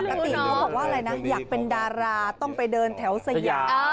ปกติว่าอะไรนะอยากเป็นดาราต้องไปเดินแถวสยา